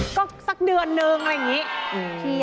ก็สักเดือนนึงอะไรอย่างนี้